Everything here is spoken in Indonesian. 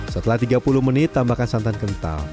setelah tiga puluh menit tambahkan santan kental